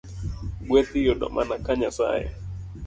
Gweth iyudo mana ka Nyasaye